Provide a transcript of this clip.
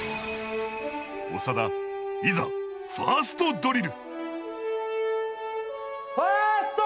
長田いざファーストドリル！